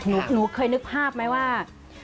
หนูเคยนึกภาพไหมว่า